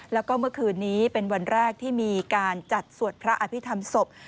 แล้วก็เมื่อคืนนี้เป็นวันแรกที่มีการจัดสวดพระอภิษฐรรมศพ